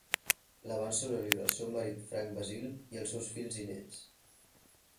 La van sobreviure el seu marit Frank Basile i els seus fills i néts.